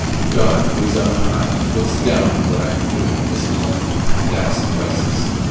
God, who is on high, looks down on what I am doing at this moment, and that suffices.